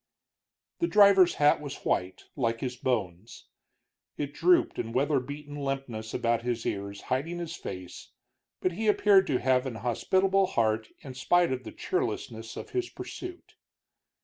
The driver's hat was white, like his bones; it drooped in weather beaten limpness about his ears, hiding his face, but he appeared to have an hospitable heart in spite of the cheerlessness of his pursuit.